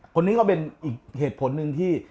คนนี้ก็เป็นอีกเหตุผลหนึ่งที่